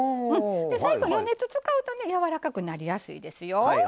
最後余熱使うとねやわらかくなりやすいですよ。